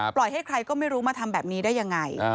ปล่อยให้ใครก็ไม่รู้มาทำแบบนี้ได้ยังไง